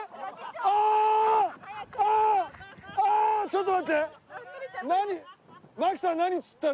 ちょっと待って。